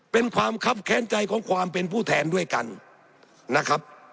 เป็นความคับแค้นใจของความเป็นผู้แทนด้วยกันนะครับ